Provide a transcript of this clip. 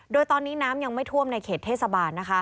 โดยตอนนี้น้ำยังไม่ท่วมในเขตเทศบาล